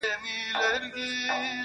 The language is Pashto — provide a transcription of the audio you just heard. او ویاړلي ولس ته بې احترامي کوي